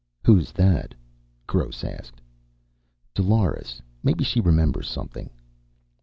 "Who's that?" Gross asked. "Dolores. Maybe she remembers something."